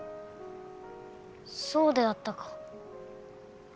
そうであったか。